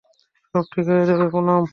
সব ঠিক যাবে, পুনাম।